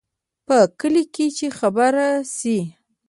په کلي کې چې خبره شي،